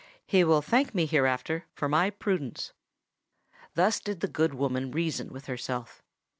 He will thank me hereafter for my prudence." Thus did the good woman reason within herself.